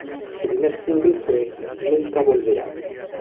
Su primer single fue "Nunca volverá".